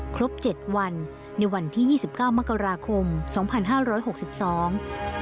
ครบเจ็ดวันในวันที่๒๙มกราคมสองพันห้าร้อยหกสิบสอง